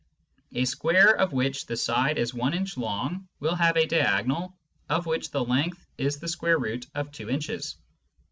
A square of which the side is one inch long will have a diagonal of which the length is the square root of 2 inches.